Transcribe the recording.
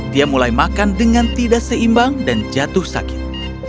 dia mulai makan dengan tidak seimbang dan jatuh sakit